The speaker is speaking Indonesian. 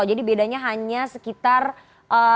jadi bedanya hanya sekitar satu persenan kurang ya mas ya